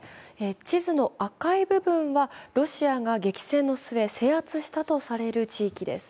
地図の赤い部分はロシアが激戦の末、制圧されたとされる地域です。